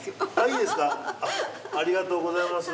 ありがとうございます